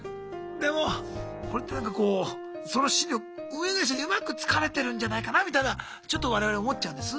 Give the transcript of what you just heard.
でもこれってなんかこうその心理を運営会社にうまく使われてるんじゃないかなみたいなちょっと我々思っちゃうんです。